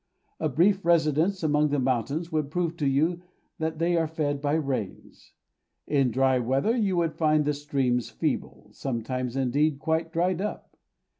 A brief residence among the mountains would prove to you that they are fed by rains. In dry weather you would find the streams feeble, sometimes indeed quite dried up.